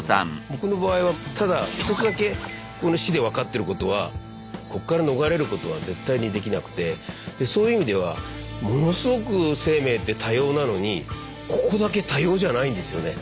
僕の場合はただ一つだけこの死で分かってることはこっから逃れることは絶対にできなくてそういう意味ではものすごく生命って多様なのにここだけ多様じゃないんですよね。